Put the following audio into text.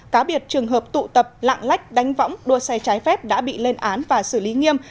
cá biệt trường hợp tụ tập lạng lách đánh võng đua xe trái phép đã bị lên án và xử lý nghiêm